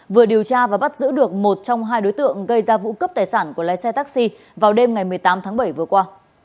vừa điều tra và bắt giữ được một trong hai đối tượng gây ra vụ cướp tài sản của lái xe taxi vào đêm ngày một mươi tám tháng bảy vừa qua